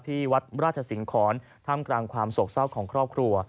ที่วัดราชสิงหอนท่ามกลางความโศกเศร้าของครอบครัว